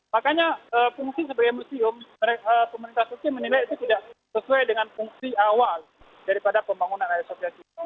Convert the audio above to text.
makanya fungsi sebagai museum pemerintah turki menilai itu tidak sesuai dengan fungsi awal daripada pembangunan air sosial kita